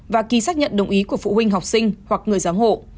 và ký xác nhận đồng ý của phụ huynh học sinh hoặc người giám hộ